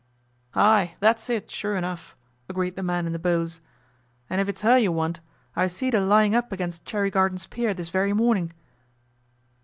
'Ay, that's it, sure enough,' agreed the man in the bows. 'And if it's her you want, I seed her lying up against Cherry Gardens Pier this very morning.